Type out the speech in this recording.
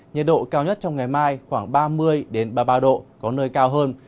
nhiệt độ cao nhất trong ngày mai khoảng ba mươi ba mươi ba độ có nơi cao hơn